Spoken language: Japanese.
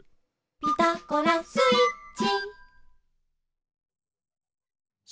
「ピタゴラスイッチ」